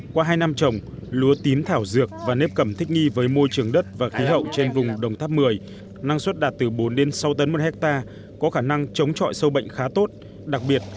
qua hai năm trồng lúa tím thảo dược và nếp cầm thích nghi với môi trường đất và khí hậu trên vùng đồng tháp một mươi năng suất đạt từ bốn sáu tấn một hectare có khả năng chống trọi sâu bệnh khá tốt